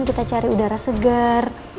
kita cari udara segar